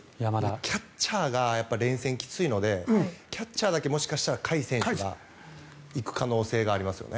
キャッチャーが連戦、きついのでキャッチャーだけもしかしたら甲斐選手が行く可能性がありますね。